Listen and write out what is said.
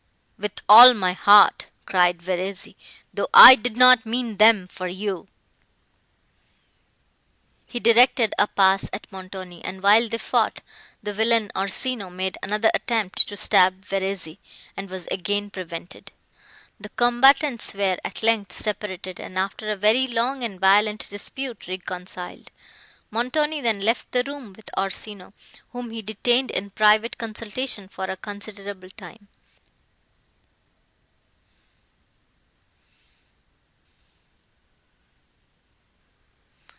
"With all my heart," cried Verezzi, "though I did not mean them for you." He directed a pass at Montoni; and, while they fought, the villain Orsino made another attempt to stab Verezzi, and was again prevented. The combatants were, at length, separated; and, after a very long and violent dispute, reconciled. Montoni then left the room with Orsino, whom he detained in private consultation for a considerable time.